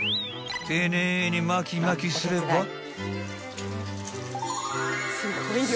［丁寧に巻き巻きすれば］